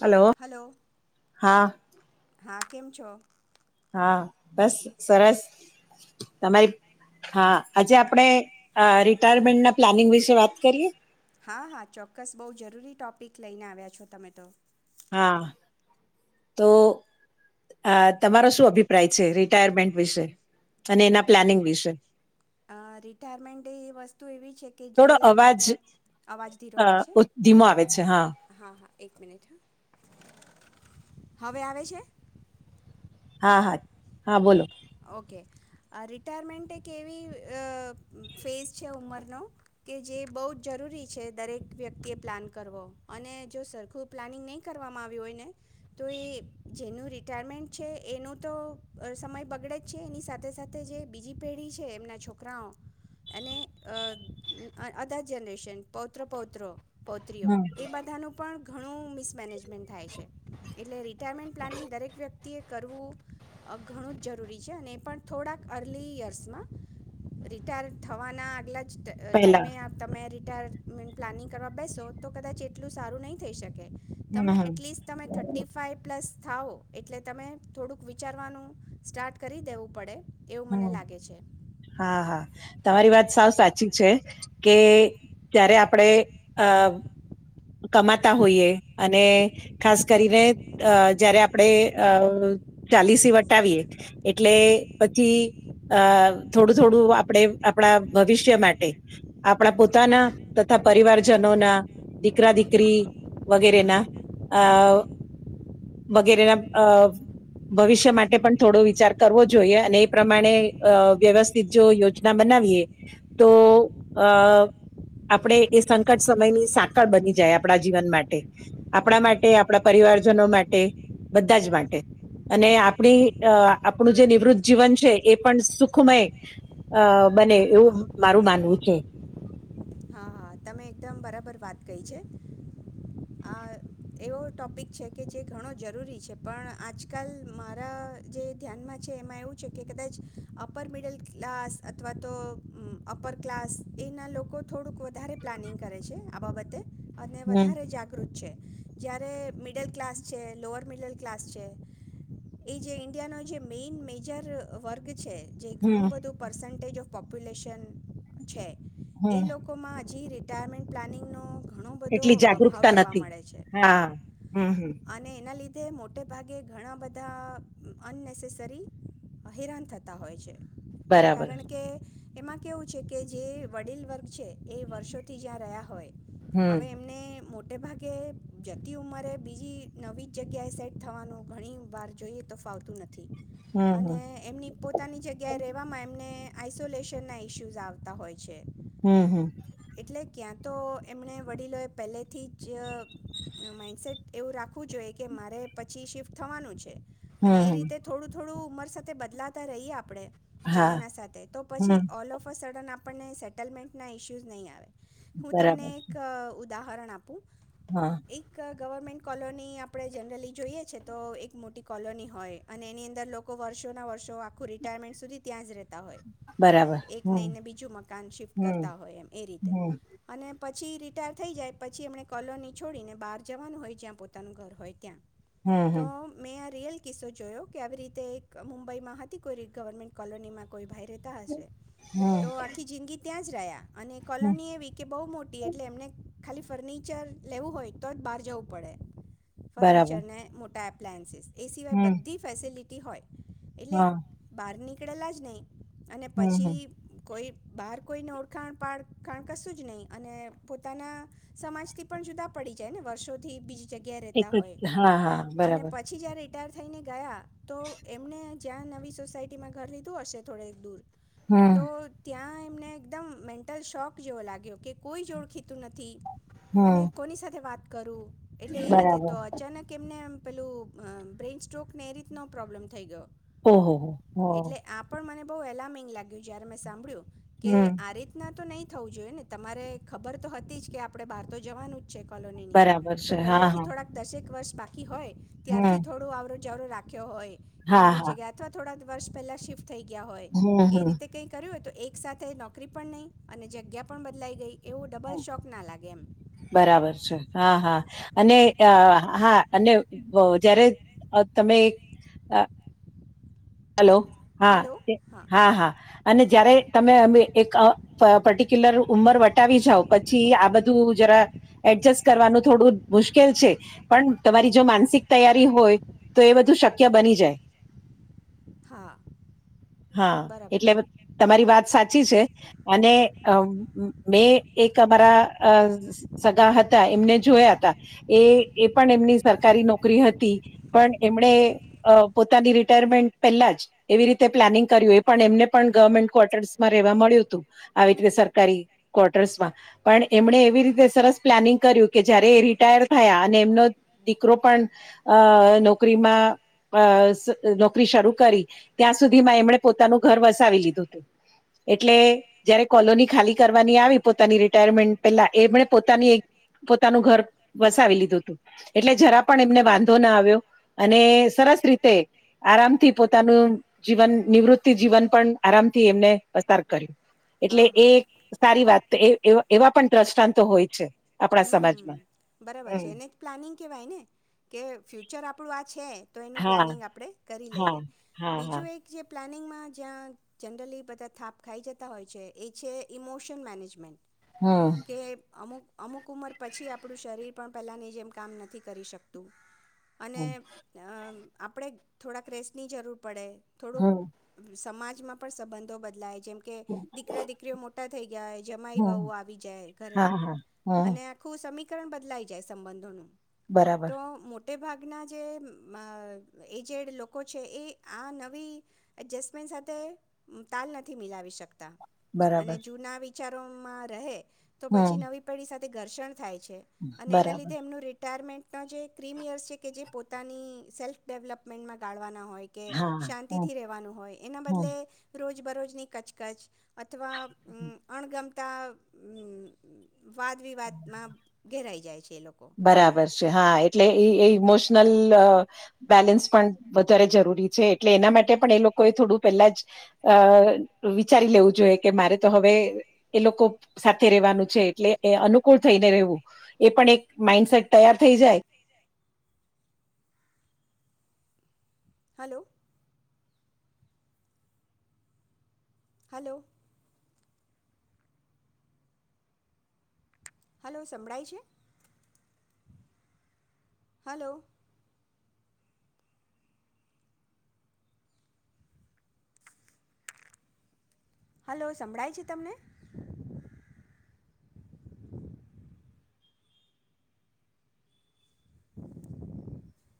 Hello હા. હા કેમ છો. હા બસ સરસ તમારી હા આજે આપડે રિટાયરમેન્ટના પ્લાનિંગ વિશે વાત કરીએ હા હા ચોક્કસ બહ જરૂરી ટોપિક લઈને આવ્યા છો તમે તો હા તો આ તમારો શું અભિપ્રાય છે રિટાયરમેન્ટ વિશે. અને એના પ્લાનિંગ વિશે રિટાયરમેન્ટ એ વસ્તુ એવી છે કે જે થોડો અવાજ લગભગ અવાજ ધીરો અ આવે છે ધીમો આવે છે હા હા. હવે આવે છે. હા હા હા બોલ ઓકે આ રિટાયરમેન્ટ એક એવી ફેઝ છે ઉમરનો કે જે બહુ જ જરૂરી છે દરેક વ્યક્તિએ પ્લાન કરવો અને જો સરખું પ્લાનિંગ નહીં કરવામાં આવ્યું હોય ને તો એ જેનું રિટાયરમેન્ટ છે એનું તો સમય આગળ જ છે એની સાથે સાથે જે બીજી પેઢી છે એમના છોકરાઓ અને અ અદા જ જનરેશન પૌત્ર પૌત્રો પૌત્રીઓ હમ એ બધાનું પણ ઘણું મિસમેનેજમેન્ટ થાય છે એટલે રિટાયરમેન્ટ પ્લાનિંગ દરેક વ્યક્તિએ કરવું અ ઘણું જ જરૂરી છે એને પણ થોડા અર્લી ઈયરશ માં રિટાયડૅ થવાનાં [inaudible] પહેલા ટાઈમે ત [inaudible] કારણ પ્લાનિંગ કરવા બેસો તો કદાચ એટલું સારું નહીં થઈ શકે. હમ તમે હમ એટલીસ્ટ તમે થર્ટી ફાઈવ પ્લસ થાવો એટલે તમે થોડુંક વિચારવાનું સ્ટાર્ટ કરી દેવું પડે એવું મને હમ લાગે છે હા હા તમારી વાત સાવ સાચ સાચી છે કે જયારે આપણેે અ કમાતા હોઈએ અને ખાસ કરીને અ જયારે આપણે અ ચાલીસી વટાવીએ એટલે પછી અ થોડું થોડું આપણે આપણા ભવિષ્ય માટે આપણા પોતાના તથા પરિવારજનો ના, દીકરા દીકરી વગેરેના અ વગેરેના અ ભવિષ્ય માટે પણ થોડો વિચાર કરવો જોઈએ. અને એ પ્રમાણે અ વ્યવસ્થિત જો યોજના બનાવીએ તો અ આપણે એ સંકટ સમયની સાકળ બની જાય આપણા જીવન માટે આપણા માટે આપણા પરિવારજનો માટે બધા જ માટે અને આપણી અ આપણું જે નિવૃત્ત જીવન છે એ પણ સુખમય અ બને એવું મારું માનવું છે. હા હા તમે એકદમ બરાબર વાત કહી છે. આ એવો ટોપિક છે કે જે ઘણો જરૂરી છે. પણ આજકાલ મારા જે ધ્યાનમાં છે એમાં એવું છે કે કદાચ અપર મિડલ ક્લાસ અથવા તો અપર ક્લાસ એના લોકો થોડુંક વધારે પ્લાનિંગ કરે છે આ બાબતે અને હમ વધારે જાગૃત છે. જ્યારે મિડલ ક્લાસ છે, લોઅર મિડલ ક્લાસ છે એ જે ઈન્ડિયાનો જે મેન મેજર વર્ગ છે જે હમ ઘણું બધું પર્સન્ટેજ ઓફ પોપ્યુલેશન છે એ હમ લોકોમાં જી રિટાયરમેન્ટ પ્લાનિંગનો ઘણો બધો એટલી અભાવ જાગૃતતા જોવા નથી. મળે છે હા હમ હમ અને એના લીધ તે મોટે ભાગે ઘણા બધા અનનેસેસરી હેરાન થતા હોય છે. બરાબર કારણ કે એમાં કેવું છે કે જે વડીલ વર્ગ છે એ વર્ષોથી જ્યાં રહ્યા હોય હમ હવે એમને મો મોટે ભાગે જતી ઉંમરે બીજી નવી જગ્યાએ સેટ થવાનું ઘણી વાર જોઈએ તો ફાવતું નથ થી હમ અને હમ એમની પોતાની જગ્યાએ રેવામાં એમને આઈસોલેશનના ઇસ્યુઝ આવતા હોય છે. હમ હમ એટલે ક્યાં તો એમણે વડીલોએ પહેલેથી જ માઇન્ડસેટ એવું રાખવું જોઈએ કે મારે પછી શિફ્ટ થવાનું છે. અને એ હમ રીતે થોડું થોડું ઉંમર સાથે બદલાતા રહીએ આપ આપડે હા જમાના સાથે તો હમ પછી ઓલ ઓફ અ સડન આપ આપણને સેટલમેન્ટ ના ઇશ્યૂઝ નહીં આવે. હું તમને બરાબર એક ઉદ ઉદાહરણ આપું હા એક ગવર્મેન્ટ કોલોની આપણે જનરલી જોઈએ છે તો એક મોટી કોલોની હોય અને એની અંદર લોકો વર્ષોના વર્ષો આખું રિટાયરમેન્ટ સુધી ત્યાં જ રેત તા હોય બરાબર એક હમ નહીને બીજું મકાન શિફ્ટ કર હમ તા હોય એમ એ રીતે હમ અને પછી રિટાયર થઈ જાય પછી એમને કોલોની છોડીને બહાર જવાનું હોય જ્યાં પોતાનું ઘર હોય ત્યાં. હમ તો હમ રિયલ કિસ્સો જોયો કે આવી રીતે એક મુંબઈમાં હતી કોઈ ગવર્મેન્ટ કોલોનીમાં કોઈ ભ તા હશે તો હમ આખી જિંદગી ત્યાં જ રહા. અને હમ કોલોની એવી કે બહુ મોટી એટલે એમને ખાલી ફર્નિચર લેવું હોય તો જ બહાર જવું પડે. બરાબર ફર્નિચર ને મોટા આપ પ્લાન્સસ. એ સિવાય હમ બધી ફેસિલિટી તીય એટલે હા બારની. ખેડલા જ નં અને હમ હમ પછી કોઈ. બહાર કોઈ નોટ ખાણ પાળખાણ કશું જ નહીં અને પોતાના સમાજથી પણ જુદા પડી જાય ને વર્ષોથી બીજા જગ્યા એક રહેતા હોય જ. હા હા અને બરાબર પછી જયારે રિટાયર થઈને ગયા તો એમને જ્યાં નવી સોસાયટીમાં ઘર લીધું હશે થોડક દૂર તો હમ ત્યાં તમને. એકદમ મેન્ટલ શોક જેવો લાગ્યો કે કોઈ જોડ ખીતું નથી. હમ અને કોની સાથે વાત. કરું. એટલે એ રીતે બરાબર તો અચાનક એમને પેલું બ્રેઇન સ્ટ્રોકને એ રીતનો પ્રોબ્લેમ થઈ ગયો. ઓહ હો હ. એટલે આ પણ મને બહુ એલાર્મિંગ લાગ્યું જ્યારે મેં સાંભળ્યું. કે હમ્મ. આ રીતના તો નહીં થવું જોઈએ ને તમારે ખબર તો હતી જ કે આપણે બહાર તો જવાનું. કોલોની બરાબર ની તો છે પહેલે હા થી હા થોડાક દસેક વર્ષ હોય ત્યારથી હમ થોડું આવ જરૂર રાખે હોય એ હા નવી હા જગ્યા અથવા થોડા વર્ષ પહેલા શિફ્ટ થઈ ગયા હોય હમ કે હમ રીતે કઈ કર્યું હોય તો એક સાથે ન નોકરી પણ નહીં અને જગ્યા પણ બદલાઈ ગઈ એવું ડબલ હમ. શોખ ના લાગે એમ. બરાબર છે હા હા અને હા અને જયારે તમે હ. હલો હા હા હા અને જયારે તમે અમે એક પર્ટિક્યુલર ઉંમર વટાવી જાઓ પછી આ બધું જરા એડજસ્ટ કરવાનું થોડું મુશ્કેલ છે પણ તમારી જો માનસિક તૈયારી હોય તો એ બધું શક્ય બની જાય. હા હા બરાબર એટલે છે તમારી વાત સાચી સાચી છે અને મેં એક અમારા સગા હતા એમને જોયા હતા એ પણ એમની સરકારી નોકરી હતી પણ એમણે પોતાની રિટાયરમેન્ટ પેલાજ એવી રીતે પ્લાનિંગ કર્યું એ પણ એમને પણ ગવર્મેન્ટ ક્વાર્ટર્સમાં રહેેવા મળ્યું હતું. આવી હમ રીતે હમ સરકારી ક્વાર્ટર્સ માં. પણ એમણે એવી રીતે સરસ પ્લાનિંગ કર્યું કે જયારે એ રિટાયર થયા અને એમનો દીકરો પણ નોકરીમાં [inaudible] શરૂ કરી. ત્યાં સુધીમાં એમણે પોતાનું ઘર વસાવી લીધું હતું એટલે જયારે કોલોની ખાલી કરવાની આવી પોતાની રિટાયરમેન્ટ પેલા એમણે પોતાની ઘર વસાવી લીધું હતું એટલે જરા પણ એમને વાંધો ના આવ્યો અને સરસ રીતે આરામથી પોતાનું જીવન નિવૃતિ જીવન પણ આરામથી એમને પસાર કર્યું એટલે હા એ હા સારી વાત એવા પણ દ્રષ્ટાંત હોય છે આપણા હમ સમાજમાં. બરાબર હમ છે એને જ પ્લાનિંગ કેવાય ને કે ફ્યુચર આપણું આ છે તો એનું હા પ્લાનિંગ આપણે કરી હા લઈએ. હા હા બીજું એક જે પ્લાનિંગમાં જ્યાં જનરલી બધા થાપ ખાઈ જતા હોય છે, એ છે, ઇમોશન મેનેજમેન્ટ હમ કે અમુક અમુક ઉંમર પછી આપ આપણું શરીર પણ પહેલાંની જેમ કામ નથી કરી શકતું. અને અ આપણે થોડાક રેસની જરૂર પડે હમ થોડુંક સમાજ [unintelligible] પણ સંબંધો બદલાય છે. જેમકે દીકરા દીકરીઓ મોટા થઈ ગયાય જમાય હમ આવી જાય ઘરે હા હા હમ અને આખું સમી [unintelligible] બદલાઈ જાય સંબંધોનું. બરાબર. તો મોટે ભાગના જે એજેડ લોકો છે, એ આ નવી એડજસ્ટમેન્ટ સાથે તાલ નથી મિલાવી શકતા. અને બરાબર જોના વિ ચરોમાં રહે તો હમ પછી નવી પેઢી સાથે તે ઘર્ષણ થાય છે. અને એના બરાબર લીધે એમનું રિટાયરમેન્ટ જે [unintelligible] છે, કે જે પોતાની સેલ્ફ ડેવલપમેન્ટમાં ગાળવાના હોય. કે હા હમ શાંતિથી રવાનું હોય એના હમ બદલે રોજ રજ બરોજ [unintelligible] કચકચ અથવા અણગમ [inaudible] વાદ વિવાદમાં [unintelligible] જાય છે. એ લોકો બરાબર છે, હા એટલે એ એ ઇમોશનલ બેલેન્સ પણ વધારે જરૂરી છે એટલે એના માટે પણ એ લોકોએ થોડું પહેલા જ વિચારી લેવું જોઈએ કે મારે તો હવે એ લોકો સાથે રહેવાનું છે, એટલે એ અનુકૂળ થઈને રહેવું એ પણ એક માઈન્ડસેટ તૈયાર થઈ જાય. હલો. હલો. હલો સમભળાઈ છે. હલો. હલો સંભળાય છે, તમને.